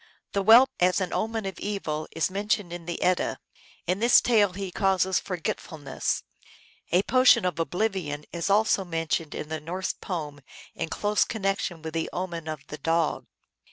The whelp, as an omen of evil, is mentioned in the Edda. In this tale he causes forgetfulness. A potion of oblivion is also mentioned in the Norse poem in close connection with the omen of the dog.